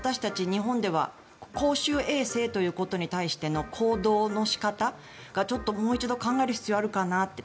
日本では公衆衛生ということに対しての行動の仕方がちょっともう一度考える必要があるかなって。